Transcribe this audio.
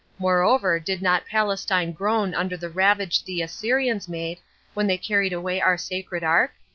Moreover, did not Palestine groan 17 under the ravage the Assyrians made, when they carried away our sacred ark?